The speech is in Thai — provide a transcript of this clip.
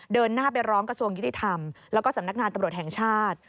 เดินหน้าไปร้องกระทรวงยุติธรรมแล้วก็สำนักงานตำรวจแห่งชาติ